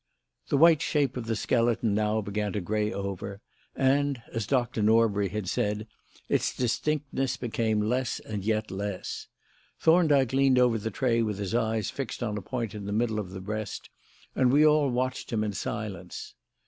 The white shape of the skeleton now began to grey over and, as Dr. Norbury had said, its distinctness became less and yet less. Thorndyke leaned over the tray with his eyes fixed on a point in the middle of the breast and we all watched him in silence.